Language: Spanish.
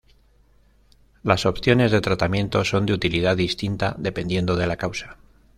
Las opciones de tratamiento son de utilidad distinta dependiendo de la causa.